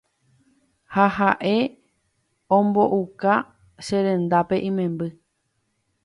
ha ha'e ombouka cherendápe imemby